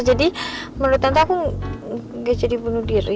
jadi menurut tante aku gak jadi bunuh diri